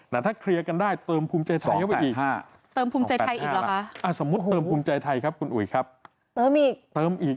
แต่ถ้าเคลียร์การได้เติมภูมิใจไทยกันไงไว้อีก